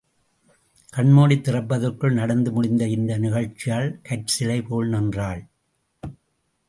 கண் மூடித் திறப்பதற்குள் நடந்து முடிந்த இந்த நிகழ்ச்சியால் கற்சிலை போல் நின்றாள்.